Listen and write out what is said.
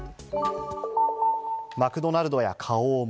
マクドナルドや花王も。